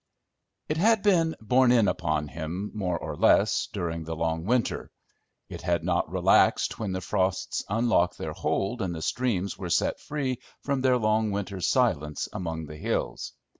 It had been "borne in" upon him, more or less, during the long winter; it had not relaxed when the frosts unlocked their hold and the streams were set free from their long winter's silence, among the hills.